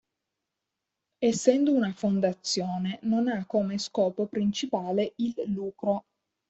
Essendo una fondazione non ha come scopo principale il lucro.